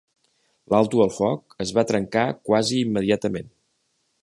L"alto el foc es va trencar quasi immediatament.